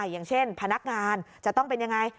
อย่างเช่นพนักงานจะต้องเป็นยังไง